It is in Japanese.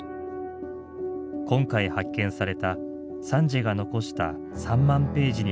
今回発見されたサンジエが残した３万ページにもなる記録。